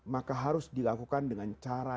maka harus dilakukan dengan cara